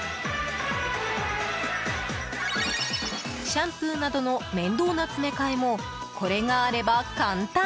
シャンプーなどの面倒な詰め替えもこれがあれば簡単。